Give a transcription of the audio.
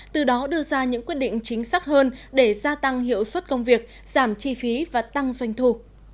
từ đó đưa ra những quyết định chính xác hơn để gia tăng hiệu suất công việc giảm chi phí và tăng doanh thu